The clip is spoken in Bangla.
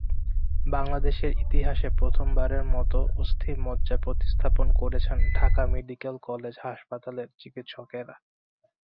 বাংলাদেশের ইতিহাসে প্রথমবারের মতো অস্থিমজ্জা প্রতিস্থাপন করেছেন ঢাকা মেডিকেল কলেজ হাসপাতালের চিকিৎসকেরা।